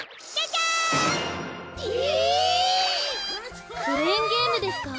クレーンゲームですか？